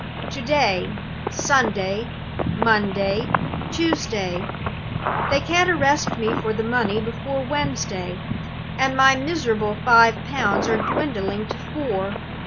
"To day; Sunday; Monday; Tuesday. They can't arrest me for the money before Wednesday. And my miserable five pounds are dwindling to four!